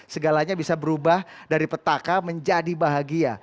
segalanya bisa berubah dari petaka menjadi bahagia